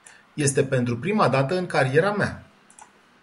Este pentru prima dată în cariera mea.